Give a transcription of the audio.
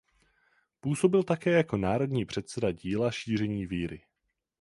Působil také jako národní předseda Díla šíření víry.